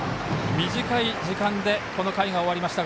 短い時間でこの回が終わりました。